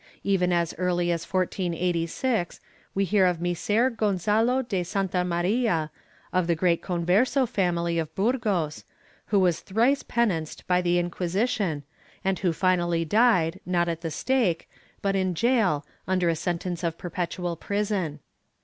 Even as early as 1486, we hear of Micer Gonzalo de Santa Maria, of the great converso family of Burgos, who was thrice penanced by the Inquisition and who finally died, not at the stake, but in gaol, under a sentence of perpetual prison.